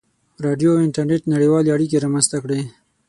• راډیو او انټرنېټ نړیوالې اړیکې رامنځته کړې.